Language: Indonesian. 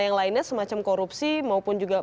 yang lainnya semacam korupsi maupun juga